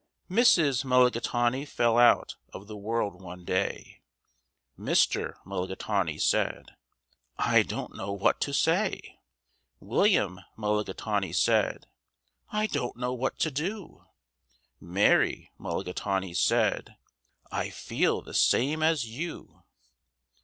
Mrs. Mulligatawny fell out of the world one day. Mr. Mulligatawny said, "I don't know what to say." William Mulligatawny said, "I don't know what to do." Mary Mulligatawny said, "I feel the same as you."